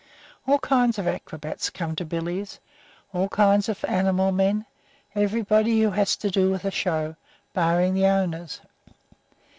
All kinds of acrobats come to "Billy's," all kinds of animal men, everybody who has to do with a show, barring the owners.